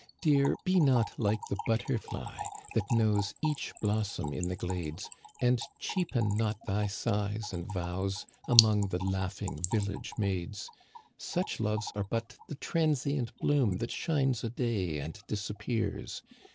" Dear, be not like the butterfly That knows each blossom in the glades, And cheapen not thy sighs and vows Among the laughing village maids. Such loves are but the transient bloom That shines a day and disappears.